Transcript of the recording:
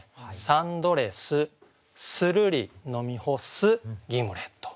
「サンドレスするり飲み干すギムレット」。